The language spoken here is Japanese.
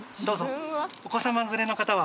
どうぞ。